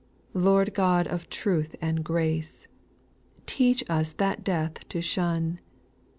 3. Lord God of truth and grace, Teach us that death to shun.